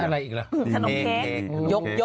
อะไรอีกล่ะขนมเค้ก